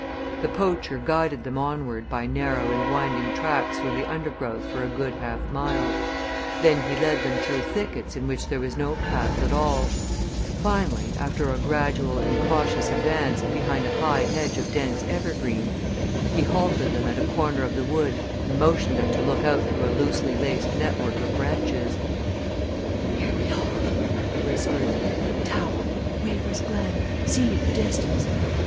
The poacher guided them onward by narrow and winding tracks through the undergrowth for a good half mile; then he led them through thickets in which there was no paths at all; finally, after a gradual and cautious advance behind a high hedge of dense evergreen, he halted them at a corner of the wood and motioned them to look out through a loosely laced network of branches. "Here we are!" he whispered. "Tower Reaver's Glen sea in the distance.